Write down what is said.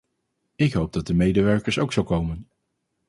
Ik hoop dat de medewerkers ook zo komen.